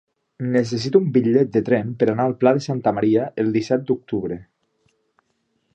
Necessito un bitllet de tren per anar al Pla de Santa Maria el disset d'octubre.